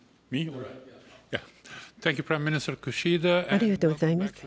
ありがとうございます。